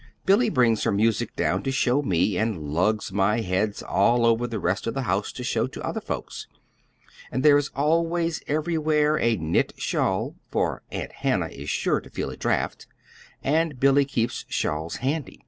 "Billy brings her music down to show to me, and lugs my heads all over the rest of the house to show to other folks. And there is always everywhere a knit shawl, for Aunt Hannah is sure to feel a draught, and Billy keeps shawls handy.